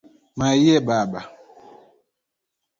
Mayie Baba!